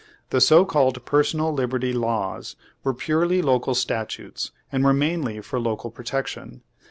The so called Personal Liberty Laws were purely local statutes, and were mainly for local protection.